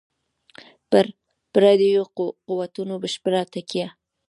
پر پردیو قوتونو بشپړه تکیه.